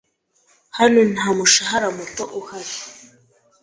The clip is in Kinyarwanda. Hano nta mushahara muto uhari.